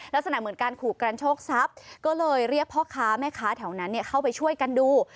ลักษณะเหมือนการขู่กันโชคทรัพย์ก็เลยเรียกพ่อค้าแม่ค้าแถวนั้นเข้าไปช่วยกันดู